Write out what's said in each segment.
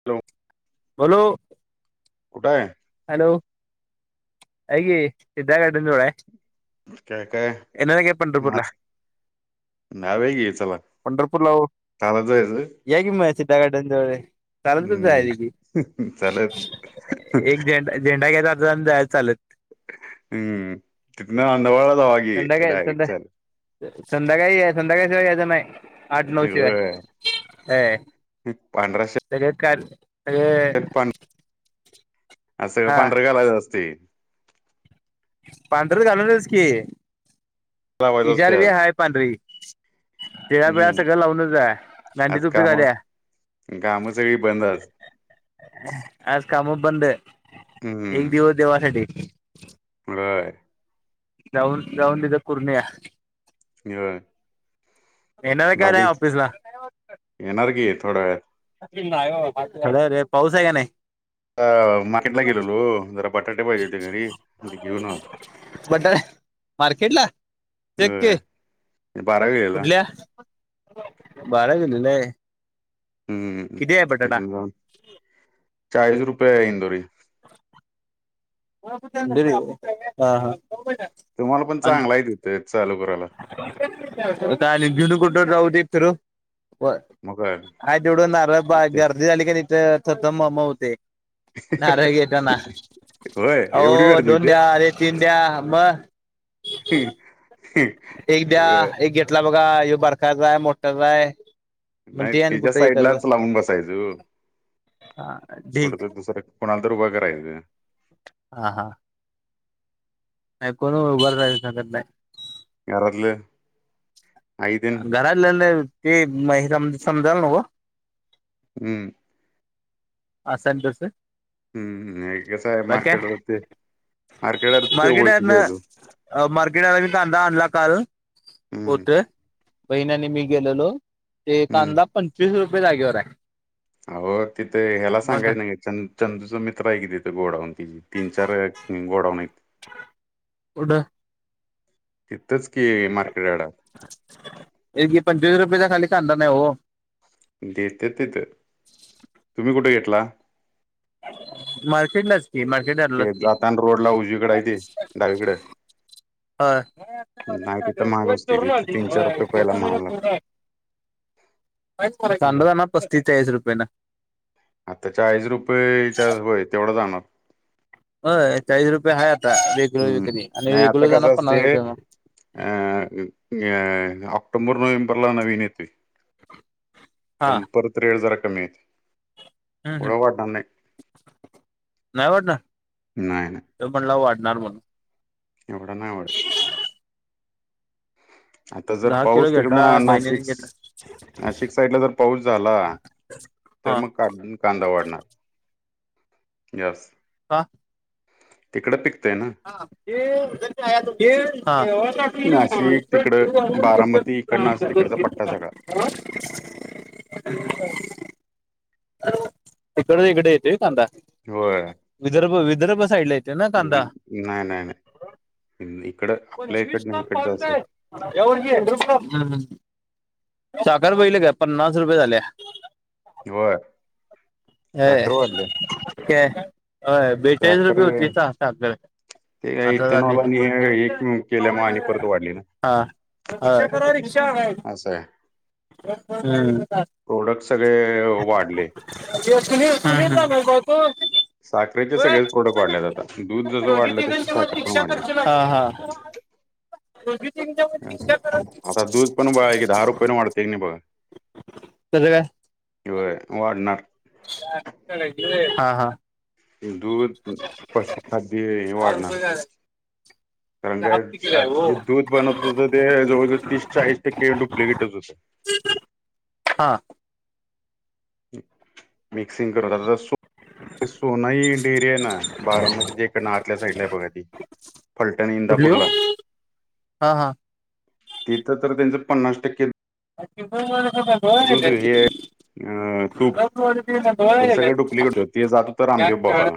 [unintelligible] बोलो कुठंय? हॅलो ऐक की सिद्धा गार्डन जवळ आहे काय काय येणारे काय पंढरपूरला? आज नाव हे ग येतला पंढरपूरला हो चालत जायचय व्हय? या की मग सिद्धा गार्डन जवळ आहे. चालतच जायच की हम्म चालत एक झेंडा झेंडा घ्यायचा हातात आणि जायचं चालत हम्म तिथंन अंंदवाळला जावा की संध्याकाळी डायरेक्ट संध्या चालत संध्याकाळ या संध्याकाळ शिवाय यायचं नाही. आठ नऊ शिवाय होय ह पांढरा सग का सग शर्ट पां आज सगळं पांढर घालायचं असतंय पांढर घालूनच की लावायचं असते इजार बी आज हाय पांढरी टिळा बिळा हम्म सगळं लावूनच आहे गांधी आज टोपी काम घाल्या काम सगळी बंद आज आज काम बंद आहेत एक दिवस देवासाठी व्हय जाऊन, जाऊन तिथ करून या [unintelligible] येणार का ते बाकी ऑफिसला? येणार की थोड्या वेळात. अरे अरे पाऊस आहे की नाही? मार्केटला गेलेलो जरा बटाटे पाहिजे होते घरी ते घेऊन आ बटाटे मार्केट ला होय [unintelligible] बारा गेलेला कुठल्या? बारा गेलेले हम्म [unintelligible] चाळीस रुपये आहे इंदुरी. [inaudible] हा हा तुम्हाला पण आणि चांगलाय तिथं चालू करायला. [unintelligible] मग काय हाय तेवढं नारळ बा गर्दी झाली का तिथ तत मम होते नारळ घेताना, होय ओ एवढी गर्दी दोन होती द्या अरे तीन द्या मग [unintelligible] एक द्या होय. एक घेतला बघा एक बारकाच आहे मोठाच आहे मग नाही ते आणि तेच्या कुठं हे करत बस साईडलाच लावून बसायचं ओ हा कुठ ढीग तरी दुसऱ्या कोणालातरी उभ करायचं. हा हा नाही उभारायला सांगत नाही. घरातले? घरातललं ती [unintelligible] समजायला नव्हं. हम्म. असं न तसं. हम्म, हम्. कसाय, बाकी काय मारकेट ते, मार्केटरत मार्केट ओळकीचेेय तो. अ मार्केट आला मी कांदा आणला काल. हम्म होते, बहिणनी मी गेलेलो. ते हम्म कांदा पंचवीस रुपये जागेवराय. अहो, तिथे ह्याला सांगायच नाही. च चंदूचं मित्रय की तिथं. गोडावून ति. तीन- चार गोडावूनयत. कुठं? तिथच की, मार्केट यार्डात. एक बी पंचवीस रुपयेच्या खाली कांदा नाही हो. देतेत तिथं. तुम्ही कुठं घेतला? मार्केटलाच की. मार्केट यार्डलाच ते की. जाताना रोडला उजवीकड हाय ती. डावीकड. होय. तिथं महाग असते चोरून तिथं आणली. तीन चार रुपये पहिला महाग लागते होय. कांदा हम्म. जाणार पस्तीस - चाळीस रुपयानं. आता चाळीस रुपये च्या होय, तेवढं जाणार. होय. चाळीस रुपये हाय आता. रेग्युलर हम्म विक्री. आणि नाही आता रेग्युलर जानार कसं पन्नास असते रुपये मग. अ अ ऑक्टोंबर, नोव्हेंबरला नवीन येतोय. हा त्यामुळे परत रेट जरा कमीयत. हम्म, हम्. नाही वाढणार? नाही तर म्हणला वाढणार म्हणून. एवढं नाही वाडतं. आता जर दहा पाऊस किलो तिकडं घेतला. ना बहिणीनी नाशिक गेत नाशिक साईडला जर हां. अजून कांदा वाढणार. यस. का? तिकडं पिकतंय ना. हा. ते [unintelligible] हा, नाशिक केवळ तिकडं छत्री बारामती नाही इकडनं असं तिकडचा का पट्टा सगळा आणली? [inaudible] हॅलो. इकड, इकडे येतेय कांदा. होय. विदर्भ, विदर्भ साईडला येते ना वि कांदा नाही, नाही, नाही. इकड, आपल्या इकडन, इकडचं असंय. [inaudible] हं. हं. साखर बघितले का? पन्नास रुपये झाल्या. व्हय. अय. केय होय. बेचाळीस साखर रुपये होती चा साखर. ते काय, आता झाली इथेनॉल आणि हे एक केल्या म परत वाढली ना. हा. रिक्षा करा रिक्षा. असं आहे हम्. प्रोडक्ट सगळे वाढले [inaudible] हं. हं. हा, हा. साखरेचे सगळेच प्रोडक्ट वाढलेत आता दूध जसं दोघी- वाढलं तसं तिघींच्या मध्ये साखर पण रिक्षा करा वाढले कसं आता दूध पण बघा की दहा रुपयाने वाढते की नाही बघा काय? व्हय. वाढणार. हा हा. दूध पशुखाद्य हे दहा रुपये का वाढणार. तरंगा दहा तिकीट आहे हो दूध. बनत होत ते जवळजवळ तीस चाळीस टक्के डुप्लिकेटच होतं. हां. मिक्सिंग करत आ सोना ही डेरी हाय ना बारामती जे एक आतल्या साईडला आहे बघा ती. फलटणी कुठली हो इंदापूरला. हा हा. तिथं तर त्यांचं पन्नास टक्के [inaudible] [unintelligible] [unintelligible] दूध हे अ तूप तर सगळं डुप्लिकेट होत ते जात होतं रामदेव बाबाला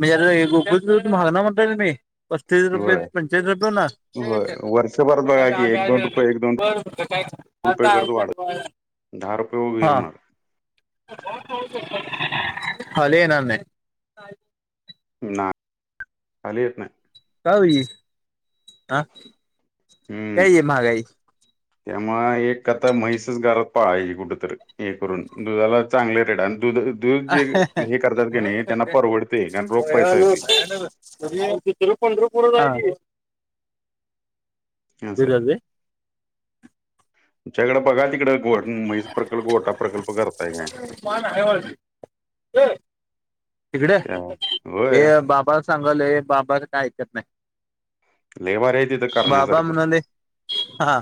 म्हणजे गुुल महाग ना म्हणता मी पस्तीस रुपये होय. पंचावीळीस रुपये हो ना. होय वर्षभरात बघा की एक दोन रुपये एक दोन रुपये करत वाढत. [unintelligible] दहा रुपये. हा खाली येणार नाही. ना खाली येत नाही. कऊ ह कय महागाई. त्यामुळ एक कथा म्हैसच घरात पाहायचीे कुठंतरी हे करून दुधाला चांगले रेट आणि दुध दूध जे हे करतात क नाही महागाई त्यांना परवडते कारण रोग पैसा येत. त पंधर पुर हा सरच्याकडं बघा तिकड. ग म्हैस प्रकल्प गोटा प्रकल्प करताय काय. तिकडे त्या होय हे बाबा सांगले बाबाच काय ऐकत नाही, लय भारी आहे तिथं बाबा करण्यासारखं म्हणाले हा.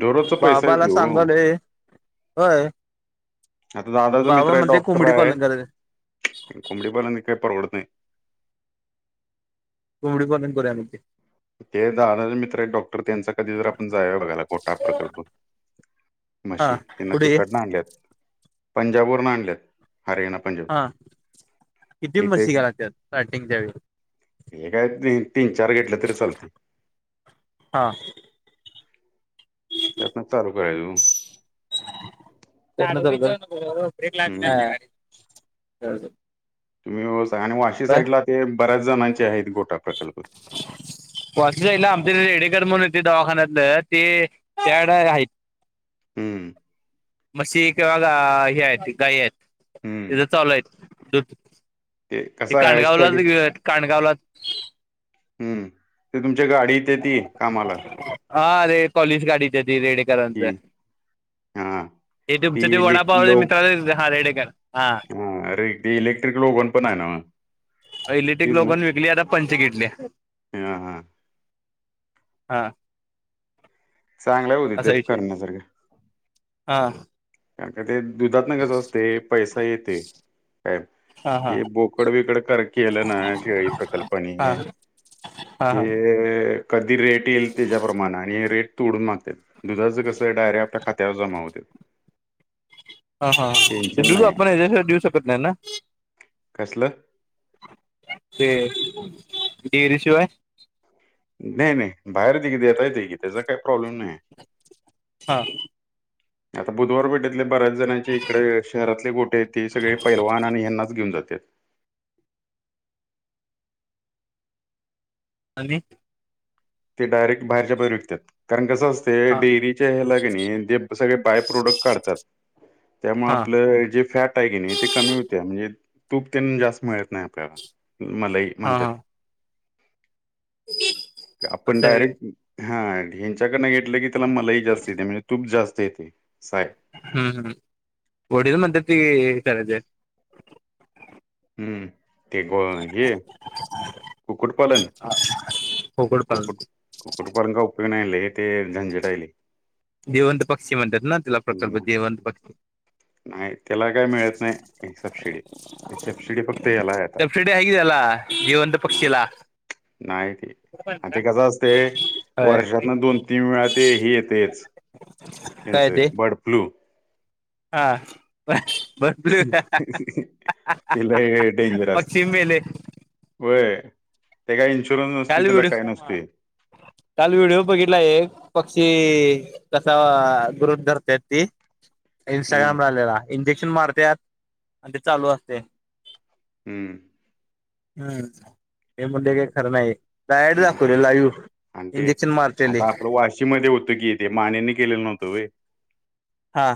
ढोरचा पैसा य बाबाला ते हो. सांगाले होय आता दादाचं बाबा मित्र आहे म्हणते डॉक्टर कोंबडी पालन करायच आहे कोंबडीपालांनी परवडत नाही. कोंबडी पालन करूया नते. ते जा मित्र आहेत डॉक्टर त्यांचा कधी जर आपण जा बघायला खोटा प्रकल्प. हा म्हशी त्यांना पुढे तिकट आणल्यात पंजाब वर न आणल्यात हरयणा. हा किती म्हशी केल्यात त्या राार्टिंगच्या वेळी. ते काय तीन चार घेतलं तरी चालतंय. हां. चालू करायचं. हम्म [unintelligible] तुम्ही सांगा आणि वाशी साईडला ते बऱ्याच जणांचे आहेत गोटा प्रकल्प. वासी साईडला आमच्या रेडेकर म्हण येत दवाखान्यातलं ते त्या आहेत. हमं. म्हशी किंवा हे आहे ती गाय आहेत. हम्म तिथेच आलोय दूध ते कसा आहे कानगावला स्टडी तिथं कानगावला. हम्म, ते तुमच्या गाडीत येती कामाला. हा अरे पॉलीस गाडीच त रेड की चं हां हे ती तुमच ते इलेक् वडापावा मित्रा ह रेडेकर हा हा अरे ते इलेक्ट्रिक ओवन पण आहे ना इलेक्टिक तीच ना ओगन विकली आता पंचकिटले [unintelligible] हां हां [unintelligible] हा चांगल्या होईल असा तेप विषय करनासारखं [unintelligible] हा कारण का ते दुधात न कस असते पैसा येते काय हा हा हे बोकड बिकड कर केलं ना शेळी [unintelligible] प्रकल्पानी [unintelligible] हा हा हा ते [unintelligible] कधी रेट येईल त्याच्याप्रमाणे आणि रेट तोडून मागते ते दुधाचं कसं आहे डायरेक्ट आपल्या खात्यावर जमा होते हा हा टेन्शन [unintelligible] नाही आहे आपण याच्या [unintelligible] शकत नाही ना कसलं ते डेअरी [inaudible] शिवाय नाही नाही बाहेर ति [inaudible] की देता येत की त्याचा काही प्रॉब्लेम नाही हां आता बुधवार पेठेतले बऱ्याच जणांचे इकडे शहरातले गोठे आहेत. ते सगळे पैलवान आणि ह्यांनाच घेऊन जातात आणि ते डायरेक्ट बाहेरच्या बाहेर विकतात कारण कसं हा असतयं डेअरीच्या हेला की नाही ते [unintelligible] सगळे बाय [unintelligible] प्रोडक्ट काढतात त्यामुळे हा आपलं जे फॅट फॅट आहे की नाही ते कमी होत्या म्हणजे तूप तेन जास्त मिळत नाही आपल्याला मलई हा म्हणत्यात. हा आपण असं आहे डायरेक्ट हा हेच्याकडनं घेतलं की त्याला मलई जास्त येत्या म्हणजे तूप जास्त येतयं. असं आहे हू हू ओरिजनल म्हणत्यात ते हेच करायचं [unintelligible] हूं ते ग हे कुक्कुटपालन पोकड पालन कुक्कुट कुक्कुटपालन काय उपयोग नाही लय ते झंझट हाय लई जिवंत पक्षी म्हणात ना तिला प्रकल्प हम्म जीवंत पक्षी नाही त्याला काय मिळत नाही ती सबसिडी एक सबसिडी फक्त याला आहे [unintelligible] आता सबसिडी आहे की त्याला जिवंत नाही पक्षीला नाही ती आणि ते कसं असतयं होय वर्षातनं दोन तीन वेळा ते हे येतयच काय त्यांचं ते बर्ड फ्लू हा बर्ड फ्ल्यू [unintelligible] ते लई डेंजर असतंय होय ते काय इन्शुरन्स नसतोय काल त्याला व्हिडिओ काय नसतोय काल व्हिडिओ बघितला एक पक्षी कसा ग्रुप [unintelligible] धरत्यात ते हम्म इंस्टाग्रामला आलेला इंजेक्शन मारत्यात आणि ते चालू असतयं हूं [unintelligible] हूं हे म्हणलं हे काय खरं नाही हे डायरेक्ट दाखवले नाही लाईव्ह आणि ते इंजेक्शन मारतेले आता आपलं वाशीमध्ये होतो की ते मानेनी केलेलं नव्हतं होय हा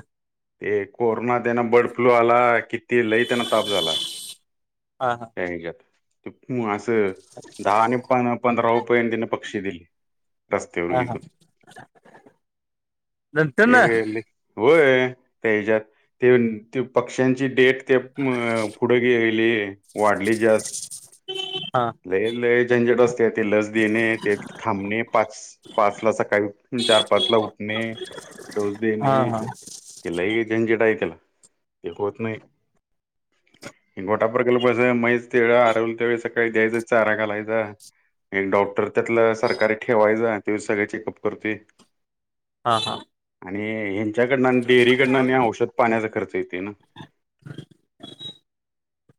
ते कोरोना त्यांना बर्ड फ्लू आला किती लई त्यांना ताप झाला हा हां [unintelligible] त्या हेज्यात ते म असं [unintelligible] दहा आणि पंधरा रूपयानं तिने पक्षी दिले रस्तावर हा हा विकून नंतर [unintelligible] ते ना लई होय त्या हेच्यात तेन ते पक्ष्यांची डेट ते अम पुढेे गेली ली वाढली जास्त हा लय लय झंझट असत्या ते लस देणे ते थांबणे पाच पाचला सकाळी चार पाच ला उठणे, डोस हा देणे हा ते लई झंझट आहे त्याला ते होत नाही. हे गोटा प्रकल्पाचं म्हैस ते आडवलं त्यावेळी सकाळी द्यायचा चारा घालायचा एक डॉक्टर त्यातल सरकारी ठेवायचा त्योच सगळं चेकअप करतोय. हां हां. आणि ह्यांच्याकडनं डेअरीकडनं आणि औषध पाण्याचा खर्च करतय ते न.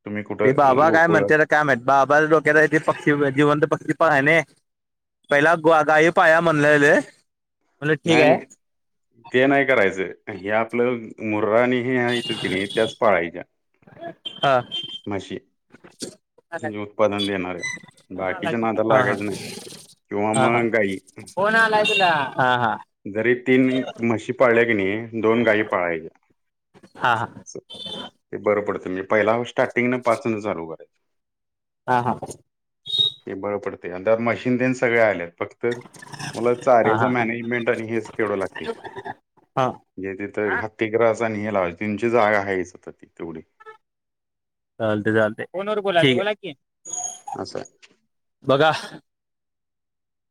तुम्ही ते कुठं बाबा काय गोकुळ म्हणते काय माहित बाबाच्या डोक्यात आहे ते पक्षी जिवंत पक्षी पाळणे. पहिला ग गाई पाळा म्हणलेले. म्हणलं ठीक नाय नाय आहे ते नाही करायचं हे आपलं मुर्राणी हे आहेत की नाही त्याच पाळायच्या, हा म्हशी. दुध उत्पादन देणाऱ्या बाकीच्या नादाला हा लागायचं नाही. किंवा हा मग गाई. फोन आलाय तुला. हा हा. जरी तीन म्हशी पाळले की नाही, दोन गाई पाळायच्या हा हां. बरं पडते मी पहिला स्टार्टिंगनें पाचन चालू करा हा हा. ते बरं पडते आणि त्यात मशीन देन सगळे आलेत फक्त मला चाऱ्याच हा मॅनेजमेंट आणि हेच तेवढ लागते. हा जे तिथ हा हत्ती ग्रास आणि हे लाव त्यांची जागा आहे तिथ तेवढी चालते चालते. फोन वर बोला की बोला की. अस आहे. बघा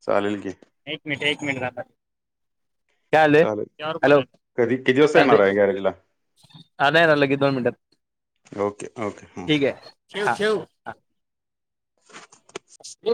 चालेल की. एक मिनिट एक मिनिट थांबा. काय झाले चालेल हॅलो कधी किती वाजता चालते येणार आहे गॅरेजला आलंय झाल की दोन मिनटात ओके ओके हां. हा ठेव ठेव. [inaudible]